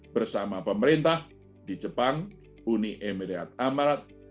bersama pemerintah di jepang uni emirat amarat